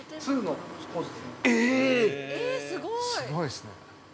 ◆すごいですね。